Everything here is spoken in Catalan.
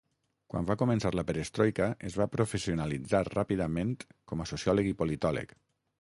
Quan va començar la perestroika, es va professionalitzar ràpidament com a sociòleg i politòleg.